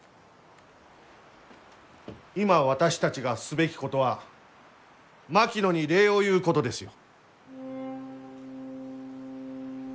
今私たちがすべきことは槙野に礼を言うことですよ。